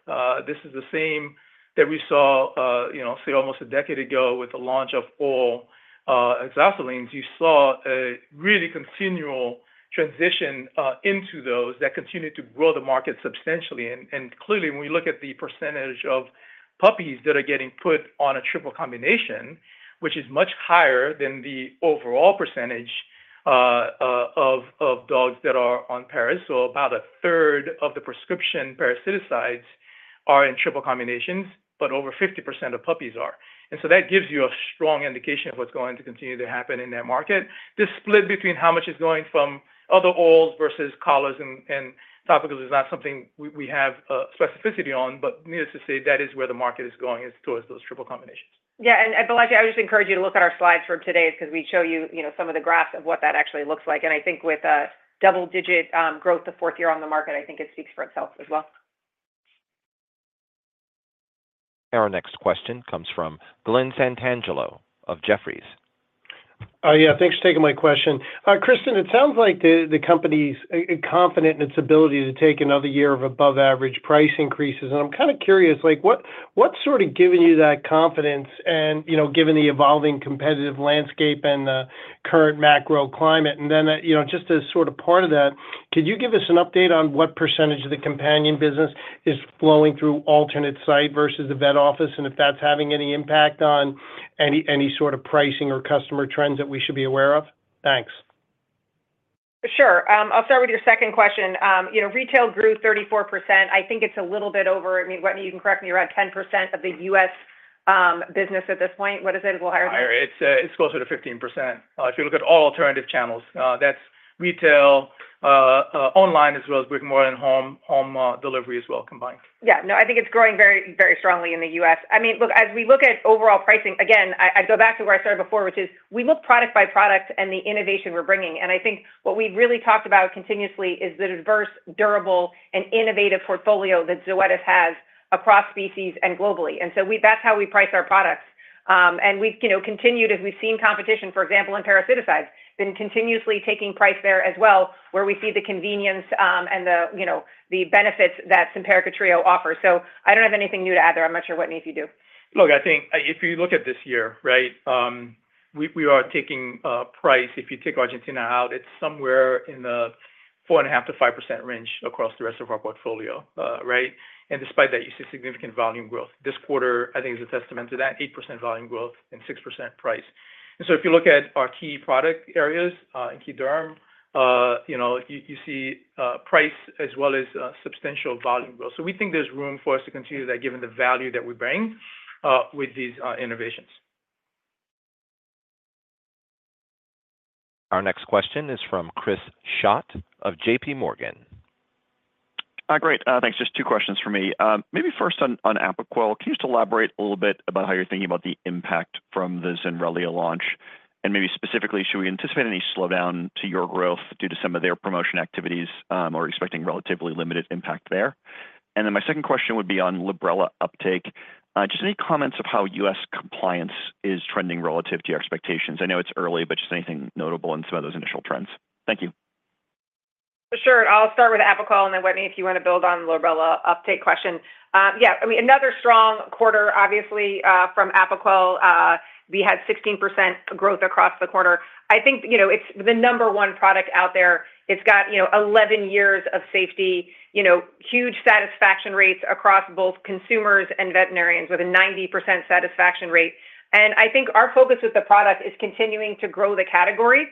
This is the same that we saw, say, almost a decade ago with the launch of all isoxazolines. You saw a really continual transition into those that continued to grow the market substantially. Clearly, when we look at the percentage of puppies that are getting put on a triple combination, which is much higher than the overall percentage of dogs that are on paras. So about a third of the prescription parasiticides are in triple combinations, but over 50% of puppies are. And so that gives you a strong indication of what's going to continue to happen in that market. The split between how much is going from other oils versus collars and topicals is not something we have specificity on, but needless to say, that is where the market is going is towards those triple combinations. Yeah. And Balaji, I would just encourage you to look at our slides from today because we show you some of the graphs of what that actually looks like. And I think with a double-digit growth the fourth year on the market, I think it speaks for itself as well. Our next question comes from Glenn Santangelo of Jefferies. Yeah. Thanks for taking my question. Kristin, it sounds like the company is confident in its ability to take another year of above-average price increases. And I'm kind of curious, what's sort of giving you that confidence and given the evolving competitive landscape and current macro climate? And then just as sort of part of that, could you give us an update on what percentage of the companion business is flowing through alternate site versus the vet office and if that's having any impact on any sort of pricing or customer trends that we should be aware of? Thanks. Sure. I'll start with your second question. Retail grew 34%. I think it's a little bit over. I mean, Wetteny, you can correct me. You're at 10% of the U.S. business at this point. What is it? A little higher than that? It's closer to 15%. If you look at all alternative channels, that's retail, online, as well as brick-and-mortar and home delivery as well combined. Yeah. No, I think it's growing very strongly in the U.S. I mean, look, as we look at overall pricing, again, I'd go back to where I started before, which is we look product by product and the innovation we're bringing. And I think what we've really talked about continuously is the diverse, durable, and innovative portfolio that Zoetis has across species and globally. And so that's how we price our products. And we've continued, as we've seen competition, for example, in parasiticides, been continuously taking price there as well, where we see the convenience and the benefits that Simparica Trio offers. So I don't have anything new to add there. I'm not sure, Wetteny, if you do. Look, I think if you look at this year, right, we are taking price. If you take Argentina out, it's somewhere in the 4.5%-5% range across the rest of our portfolio, right? And despite that, you see significant volume growth. This quarter, I think, is a testament to that: 8% volume growth and 6% price. And so if you look at our key product areas and key derm, you see price as well as substantial volume growth. So we think there's room for us to continue that given the value that we bring with these innovations. Our next question is from Chris Schott of JPMorgan. Hi. Great. Thanks. Just two questions for me. Maybe first on Apoquel, can you just elaborate a little bit about how you're thinking about the impact from the Zenrelia launch? And maybe specifically, should we anticipate any slowdown to your growth due to some of their promotion activities or expecting relatively limited impact there? And then my second question would be on Librela uptake. Just any comments on how US compliance is trending relative to your expectations? I know it's early, but just anything notable in some of those initial trends? Thank you. Sure. I'll start with Apoquel, and then Wetteny, if you want to build on the Librela uptake question. Yeah. I mean, another strong quarter, obviously, from Apoquel. We had 16% growth across the quarter. I think it's the number one product out there. It's got 11 years of safety, huge satisfaction rates across both consumers and veterinarians with a 90% satisfaction rate. And I think our focus with the product is continuing to grow the category.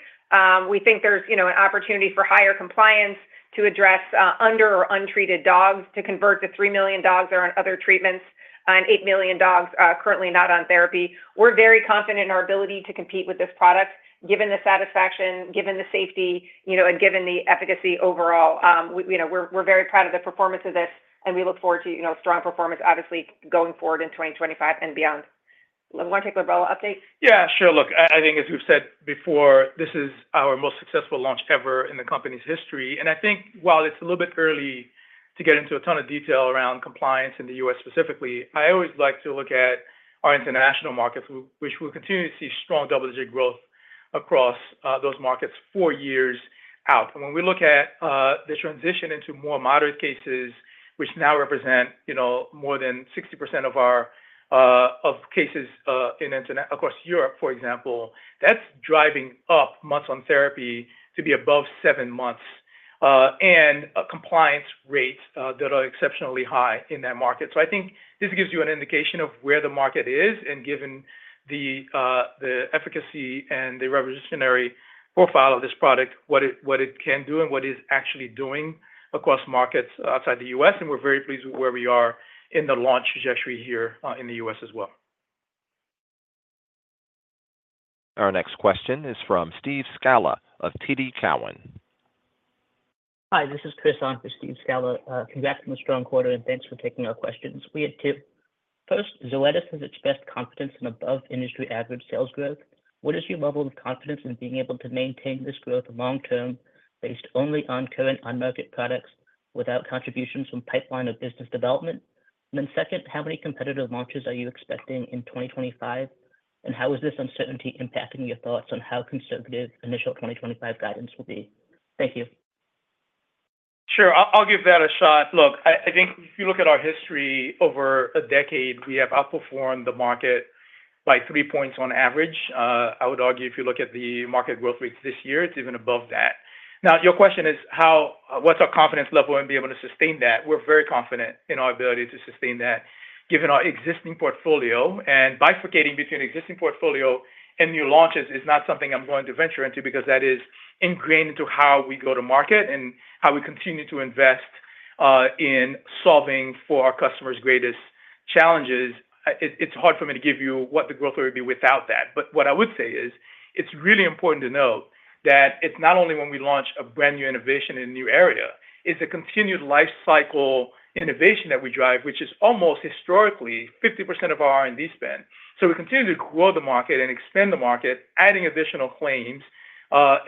We think there's an opportunity for higher compliance to address under or untreated dogs to convert the 3 million dogs that are on other treatments and 8 million dogs currently not on therapy. We're very confident in our ability to compete with this product given the satisfaction, given the safety, and given the efficacy overall. We're very proud of the performance of this, and we look forward to strong performance, obviously, going forward in 2025 and beyond. Want to take Librela update? Yeah. Sure. Look, I think, as we've said before, this is our most successful launch ever in the company's history. And I think while it's a little bit early to get into a ton of detail around compliance in the U.S. specifically, I always like to look at our international markets, which we'll continue to see strong double-digit growth across those markets four years out. And when we look at the transition into more moderate cases, which now represent more than 60% of cases across Europe, for example, that's driving up months on therapy to be above seven months and compliance rates that are exceptionally high in that market. So I think this gives you an indication of where the market is and given the efficacy and the revolutionary profile of this product, what it can do and what it is actually doing across markets outside the US, and we're very pleased with where we are in the launch trajectory here in the US as well. Our next question is from Steve Scala of TD Cowen. Hi, this is Chris on for Steve Scala. Congrats on a strong quarter, and thanks for taking our questions. We have two. First, Zoetis has its best confidence in above-industry average sales growth. What is your level of confidence in being able to maintain this growth long-term based only on current marketed products without contributions from pipeline or business development? And then second, how many competitive launches are you expecting in 2025? How is this uncertainty impacting your thoughts on how conservative initial 2025 guidance will be? Thank you. Sure. I'll give that a shot. Look, I think if you look at our history over a decade, we have outperformed the market by three points on average. I would argue if you look at the market growth rates this year, it's even above that. Now, your question is, what's our confidence level in being able to sustain that? We're very confident in our ability to sustain that given our existing portfolio. Bifurcating between existing portfolio and new launches is not something I'm going to venture into because that is ingrained into how we go to market and how we continue to invest in solving for our customers' greatest challenges. It's hard for me to give you what the growth would be without that. But what I would say is it's really important to know that it's not only when we launch a brand new innovation in a new area. It's a continued lifecycle innovation that we drive, which is almost historically 50% of our R&D spend. So we continue to grow the market and expand the market, adding additional claims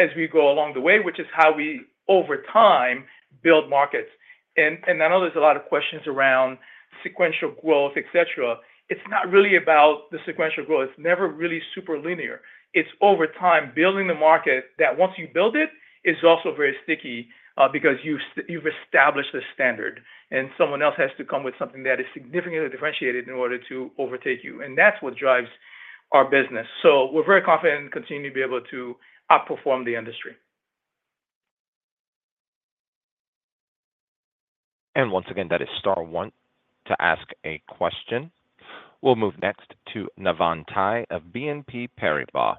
as we go along the way, which is how we over time build markets. And I know there's a lot of questions around sequential growth, etc. It's not really about the sequential growth. It's never really super linear. It's over time building the market that once you build it, it's also very sticky because you've established the standard, and someone else has to come with something that is significantly differentiated in order to overtake you. And that's what drives our business. So we're very confident in continuing to be able to outperform the industry. And once again, that is star one to ask a question. We'll move next to Navin Jacob of BNP Paribas.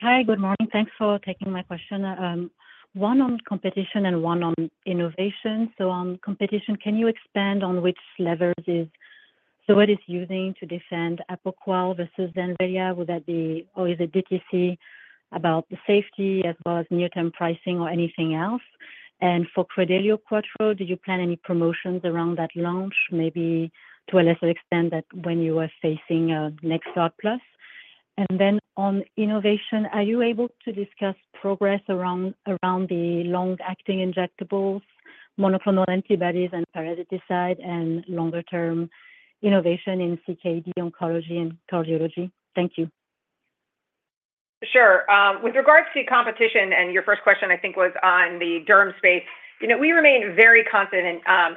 Hi, good morning. Thanks for taking my question. One on competition and one on innovation. So on competition, can you expand on which levers is Zoetis using to defend Apoquel versus Zenrelia? Would that be or is it DTC about the safety as well as near-term pricing or anything else? And for Credelio Quattro, do you plan any promotions around that launch, maybe to a lesser extent than when you were facing NexGard Plus? And then on innovation, are you able to discuss progress around the long-acting injectables, monoclonal antibodies, and parasiticide, and longer-term innovation in CKD oncology and cardiology? Thank you. Sure. With regards to competition, and your first question, I think, was on the derm space, we remain very confident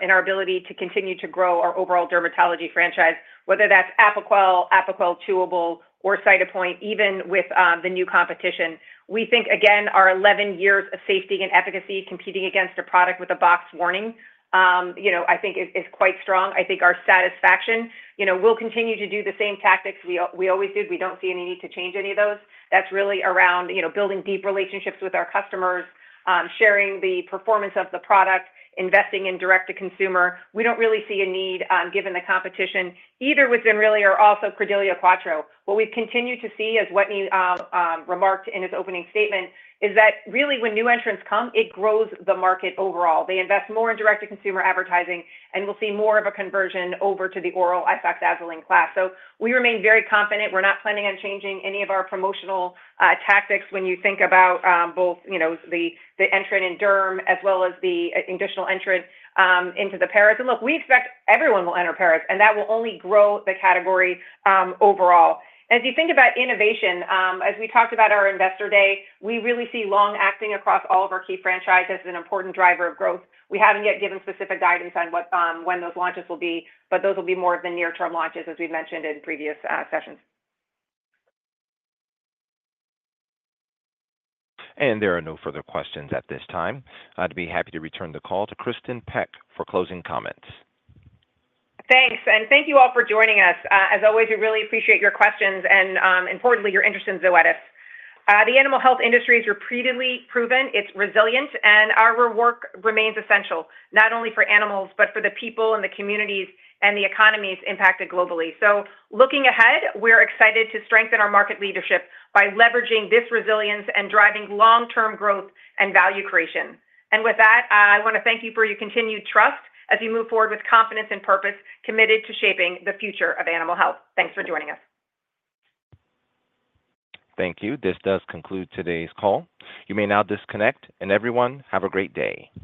in our ability to continue to grow our overall dermatology franchise, whether that's Apoquel, Apoquel Chewable, or Cytopoint, even with the new competition. We think, again, our 11 years of safety and efficacy competing against a product with a box warning, I think, is quite strong. I think our satisfaction, we'll continue to do the same tactics we always did. We don't see any need to change any of those. That's really around building deep relationships with our customers, sharing the performance of the product, investing in direct-to-consumer. We don't really see a need given the competition either with Zenrelia or also Credelio Quattro. What we've continued to see, as Wetteny remarked in his opening statement, is that really when new entrants come, it grows the market overall. They invest more in direct-to-consumer advertising, and we'll see more of a conversion over to the oral isoxazoline class. So we remain very confident. We're not planning on changing any of our promotional tactics when you think about both the entrant in derm as well as the additional entrant into the paras. And look, we expect everyone will enter paras, and that will only grow the category overall. As you think about innovation, as we talked about our investor day, we really see long-acting across all of our key franchises as an important driver of growth. We haven't yet given specific guidance on when those launches will be, but those will be more of the near-term launches, as we've mentioned in previous sessions. And there are no further questions at this time. I'd be happy to return the call to Kristin Peck for closing comments. Thanks. And thank you all for joining us. As always, we really appreciate your questions and, importantly, your interest in Zoetis. The animal health industry is repeatedly proven. It's resilient, and our work remains essential not only for animals but for the people and the communities and the economies impacted globally. So looking ahead, we're excited to strengthen our market leadership by leveraging this resilience and driving long-term growth and value creation. And with that, I want to thank you for your continued trust as you move forward with confidence and purpose committed to shaping the future of animal health. Thanks for joining us. Thank you. This does conclude today's call. You may now disconnect, and everyone, have a great day.